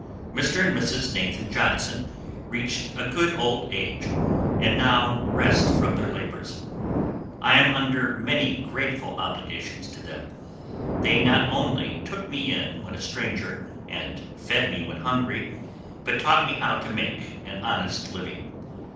Mr. and Mrs. Nathan Johnson reached a good old age, and now rest from their labors. I am under many grateful obligations to them. They not only "took me in when a stranger" and "fed me when hungry," but taught me how to make an honest living.